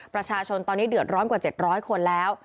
ประชาชนตอนนี้เดือดร้อนกว่า๗๐๐คนแล้ว